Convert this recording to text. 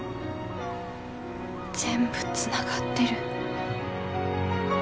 全部つながってる。